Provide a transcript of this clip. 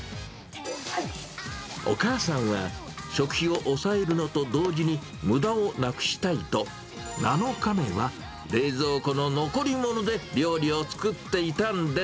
お母さんは、食費を抑えるのと同時に、むだをなくしたいと、７日目は冷蔵庫の残り物で料理を作っていたんです。